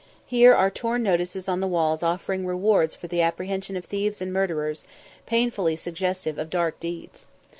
Here are torn notices on the walls offering rewards for the apprehension of thieves and murderers, painfully suggestive of dark deeds.